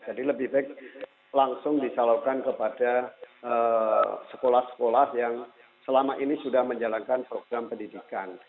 jadi lebih baik langsung disalurkan kepada sekolah sekolah yang selama ini sudah menjalankan program pendidikan